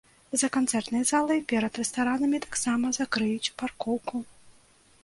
За канцэртнай залай, перад рэстаранамі таксама закрыюць паркоўку.